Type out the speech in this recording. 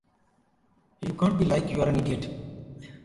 So you can't be like, You're an idiot.